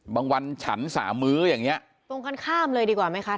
วันฉันสามมื้ออย่างเงี้ตรงกันข้ามเลยดีกว่าไหมคะ